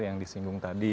yang disinggung tadi